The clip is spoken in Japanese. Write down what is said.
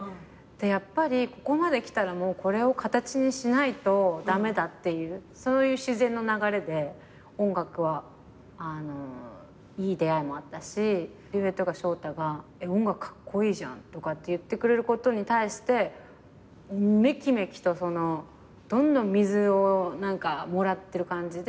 やっぱりここまできたらもうこれを形にしないと駄目だっていうそういう自然の流れで音楽はいい出会いもあったし龍平とか翔太が「音楽カッコイイじゃん」とかって言ってくれることに対してめきめきとどんどん水をもらってる感じで。